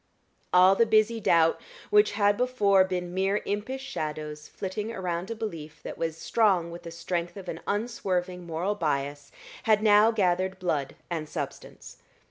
All the busy doubt which had before been mere impish shadows flitting around a belief that was strong with the strength of an unswerving moral bias, had now gathered blood and substance.